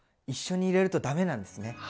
一緒に入れるとダメなんですね。